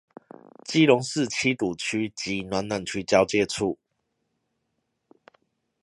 基隆市七堵區及暖暖區交界處